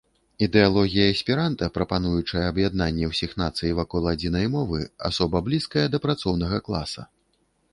Ідэалогія эсперанта, прапануючая аб'яднанне ўсіх нацый вакол адзінай мовы, асоба блізкая да працоўнага класа.